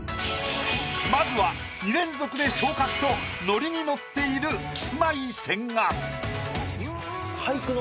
まずは２連続で昇格とノリにのっているキスマイ千賀。